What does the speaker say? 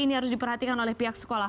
ini harus diperhatikan oleh pihak sekolah